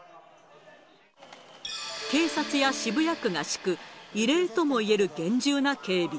警察や渋谷区が敷く異例ともいえる厳重な警備。